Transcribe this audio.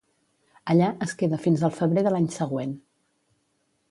Allà es queda fins al febrer de l'any següent.